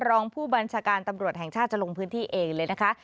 รองผู้บัญชาการตำรวจแห่งชาติจะลงพื้นที่เองเลยนะคะ